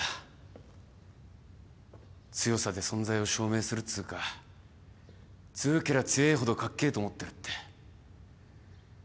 強さで存在を証明するっつうか強けりゃ強えほどかっけぇと思ってるって。